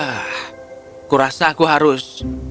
aku rasa aku harus